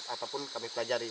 ataupun kami pelajari